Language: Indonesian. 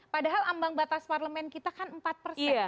padahal ambang batas parlemen kita kan empat persen